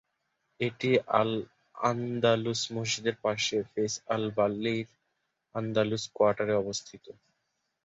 এটি আল-আন্দালুস মসজিদের পাশে ফেস আল-বালির আন্দালুস কোয়ার্টারে অবস্থিত।